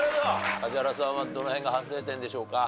梶原さんはどの辺が反省点でしょうか？